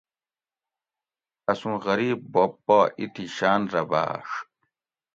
اسوں غریب بوب پا ایتی شان رہ باڛ